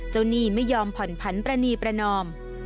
หนี้ไม่ยอมผ่อนผันประณีประนอม